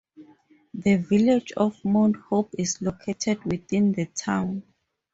The Village of Mount Hope is located within the town.